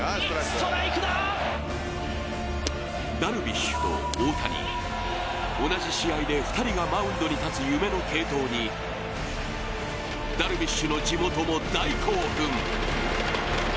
ダルビッシュと大谷、同じ試合で２人がマウンドに立つ夢の継投に、ダルビッシュの地元も大興奮。